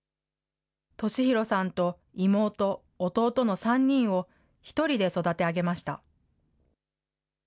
敏弘さんと妹、弟の３人を１人で育て上げました。